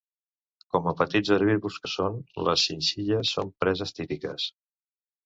Com a petits herbívors que són, les xinxilles són preses típiques.